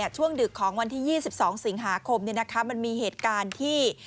ดึกของวันที่๒๒สิงหาคมมันมีเหตุการณ์ที่